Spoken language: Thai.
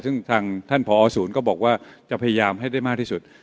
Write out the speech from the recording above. ซึ่งทางท่านผอศูนย์ก็บอกว่าจะพยายามให้ได้มากที่สุด